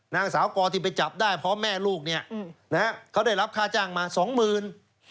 นางสาวกอที่ไปจับได้พร้อมแม่ลูกเนี่ยนะฮะเขาได้รับค่าจ้างมาสองหมื่น